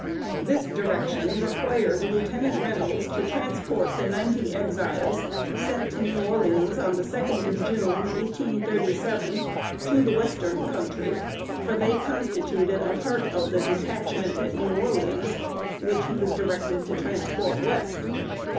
This direction required Lieutenant Reynolds to transport the ninety Exiles, sent to New Orleans on the second of June, 1837, to the Western Country; for they constituted a part of "the detachment at New Orleans," which he was directed to transport West.